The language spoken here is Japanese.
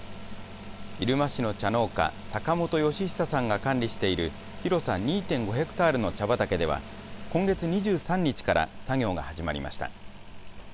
入間市の茶農家、坂本義久さんが管理している広さ２．５ヘクタールの茶畑では、今月２３日から作業が始まりました。